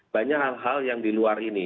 banyak hal hal yang di luar ini